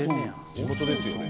地元ですよね。